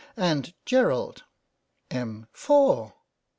And Gerald. Em. : Four